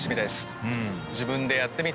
自分でやってみて。